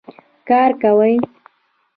کار کوي.